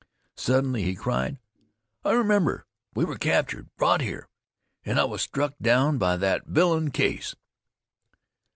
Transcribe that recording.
Suddenly he cried: "I remember! We were captured, brought here, and I was struck down by that villain Case."